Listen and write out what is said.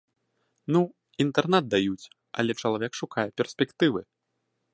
Ну, інтэрнат даюць, але чалавек шукае перспектывы.